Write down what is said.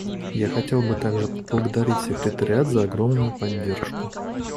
Я хотел бы также поблагодарить Секретариат за огромную поддержку.